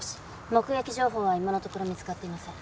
目撃情報は今のところ見つかっていません。